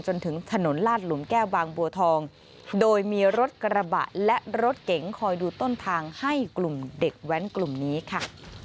จนถึงถนนลาดหลุมแก้วบางบัวทองโดยมีรถกระบะและรถเก๋งคอยดูต้นทางให้กลุ่มเด็กแว้นกลุ่มนี้ค่ะ